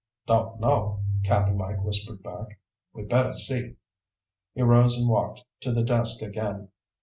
"Don't know," Cap'n Mike whispered back. "We'd better see." He rose and walked to the desk again.